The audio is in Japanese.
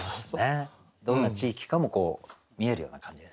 どんな地域かも見えるような感じですね。